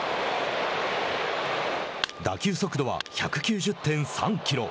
打球速度は１９０．３キロ。